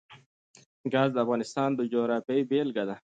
ګاز د افغانستان د جغرافیې بېلګه ده.